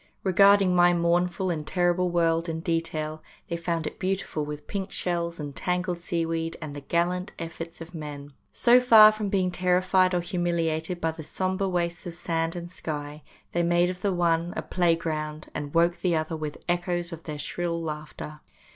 Re garding my mournful and terrible world in detail, they found it beautiful with pink shells and tangled seaweed and the gallant efforts of men. So far from being terrified or humiliated by the sombre wastes of sand and sky, they made of the one a playing ground, and woke the other with echoes of their shrill laughter.